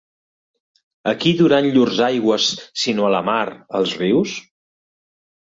A qui duran llurs aigües sinó a la mar, els rius?